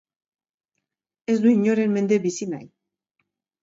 Ez du inoren mende bizi nahi.